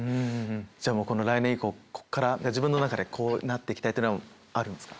じゃあもうこの来年以降ここから自分の中でこうなって行きたいというのはあるんですか？